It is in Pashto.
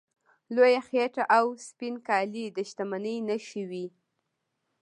لویه خېټه او سپین کالي د شتمنۍ نښې وې.